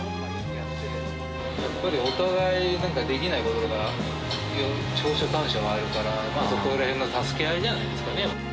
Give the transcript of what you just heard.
やっぱりお互い、なんかできないこととか長所、短所があるから、そこらへんの助け合いじゃないですかね。